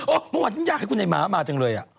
โอ๊ยมันว่าฉันอยากให้คุณไอ้หมามาจังเลยอะ